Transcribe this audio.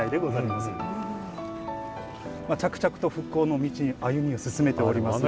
まあ着々と復興の道に歩みを進めておりまする。